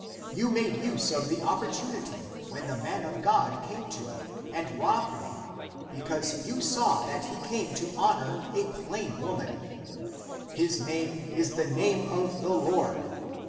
You made use of the oppor tunity (when) the man of God (came to me), and robbed me, because you saw that he came to honor a plain woman; his name is the name of the Lord.